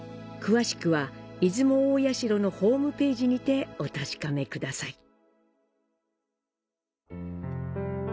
詳しくは出雲大社のホームページにてお確かめください。